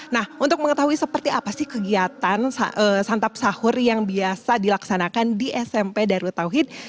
nah untuk mengetahui seperti apa sih kegiatan santap sahur yang biasa dilaksanakan di smp darurat tauhid